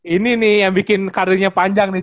ini nih yang bikin karirnya panjang nih